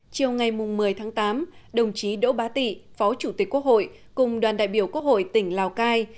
chiều ngày một mươi tháng tám đồng chí đỗ bá tị phó chủ tịch quốc hội cùng đoàn đại biểu quốc hội tỉnh lào cai